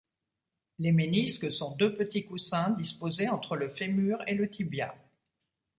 Les ménisques sont deux petits coussins disposés entre le fémur et le tibia.